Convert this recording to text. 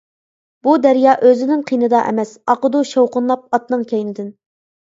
بۇ دەريا ئۆزىنىڭ قىنىدا ئەمەس، ئاقىدۇ شاۋقۇنلاپ ئاتنىڭ كەينىدىن.